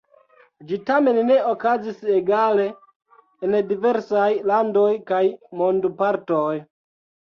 Ĝi tamen ne okazis egale en diversaj landoj kaj mondopartoj.